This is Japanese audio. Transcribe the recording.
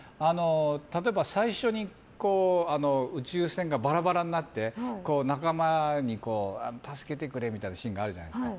例えば、最初に宇宙船がバラバラになって仲間に助けてくれみたいなシーンがあるじゃないですか。